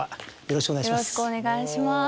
よろしくお願いします。